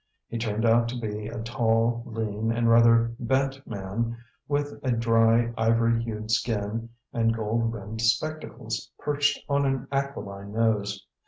He turned out to be a tall, lean, and rather bent man, with a dry, ivory hued skin and gold rimmed spectacles, perched on an aquiline nose.